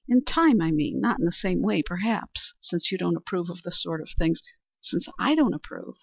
In time, I mean. Not in the same way, perhaps, since you don't approve of the sort of things " "Since I don't approve?